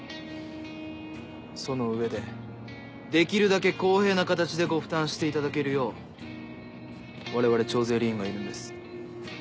その上でできるだけ公平な形でご負担していただけるよう我々徴税吏員がいるんです。